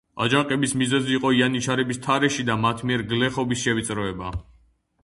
აჯანყების მიზეზი იყო იანიჩარების თარეში და მათ მიერ გლეხობის შევიწროება.